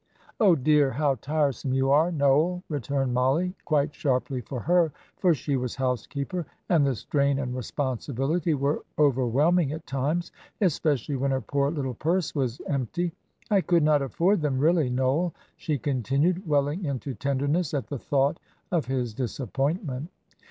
"Oh, dear, how tiresome you are, Noel!" returned Mollie, quite sharply for her, for she was housekeeper, and the strain and responsibility were overwhelming at times, especially when her poor little purse was empty. "I could not afford them, really, Noel," she continued, welling into tenderness at the thought of his disappointment.